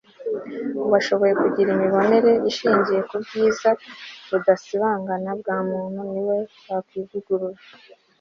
washoboye kugira imibonere ishingiye ku bwiza budasibangana bwa muntu, ni we wakwivugurura